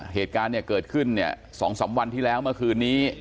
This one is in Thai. เหตุการณ์เนี่ยเกิดขึ้นเนี่ย๒๓วันที่แล้วเมื่อคืนนี้